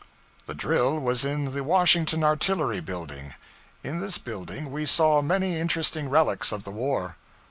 The drill was in the Washington Artillery building. In this building we saw many interesting relics of the war.